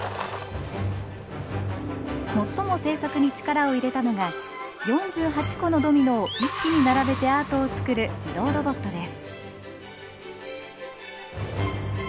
最も製作に力を入れたのが４８個のドミノを一気に並べてアートを作る自動ロボットです。